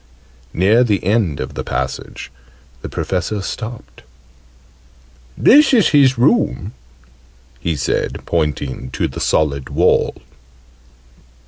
Near the end of the passage the Professor stopped. "This is his room," he said, pointing to the solid wall.